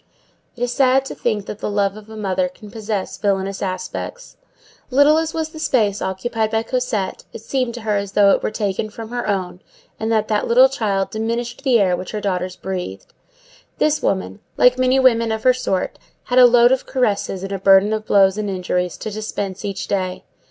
It is sad to think that the love of a mother can possess villainous aspects. Little as was the space occupied by Cosette, it seemed to her as though it were taken from her own, and that that little child diminished the air which her daughters breathed. This woman, like many women of her sort, had a load of caresses and a burden of blows and injuries to dispense each day.